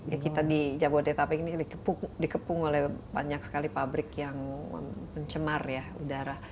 ya kita di jabodetabek ini dikepung oleh banyak sekali pabrik yang mencemar ya udara